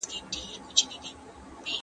- خو ستا د وینې غوړ زیات شوي.